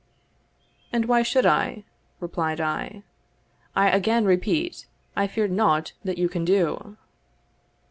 "And why should I?" replied I. "I again repeat, I fear nought that you can do."